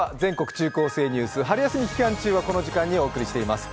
中高生ニュース」春休み期間中はこの時間にお送りしています。